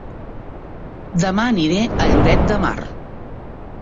Dema aniré a Lloret de Mar